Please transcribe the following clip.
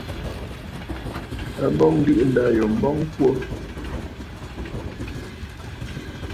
A bɔŋ ǹdɨ̀ʼɨ ndâ yò m̀bɔŋ kwo.